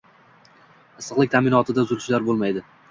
Issiqlik ta’minotida uzilishlar bo‘lmaydi